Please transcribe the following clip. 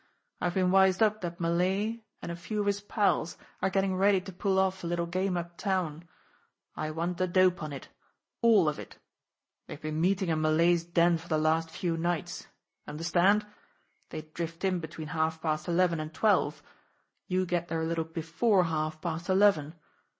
I've been wised up that Malay and a few of his pals are getting ready to pull off a little game uptown. I want the dope on it all of it. They've been meeting in Malay's den for the last few nights understand? They drift in between half past eleven and twelve you get there a little before halfpast eleven.